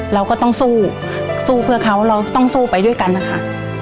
เราก็ต้องสู้สู้เพื่อเขาเราต้องสู้ไปด้วยกันนะคะ